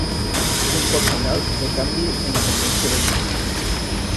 És un fort senyal de canvi en la tendència baixista.